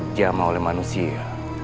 dijama oleh manusia